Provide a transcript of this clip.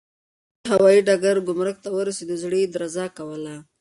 کله چې دی د هوايي ډګر ګمرک ته ورسېد، زړه یې درزا کوله.